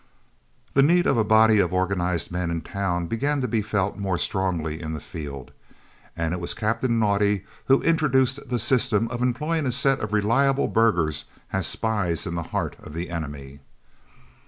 The need of a body of organised men in town began to be felt more strongly in the field, and it was Captain Naudé who introduced the system of employing a set of reliable burghers as spies in the heart of the enemy.